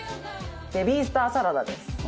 ベビースターサラダです。